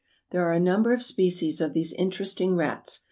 There are a number of species of these interesting rats.